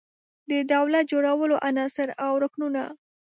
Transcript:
د دولت جوړولو عناصر او رکنونه